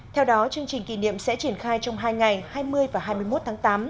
theo đó chương trình kỷ niệm sẽ triển khai trong hai ngày hai mươi và hai mươi một tháng tám